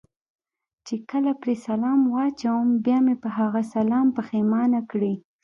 چې کله پرې سلام واچوم، بیا مې په هغه سلام پښېمانه کړي.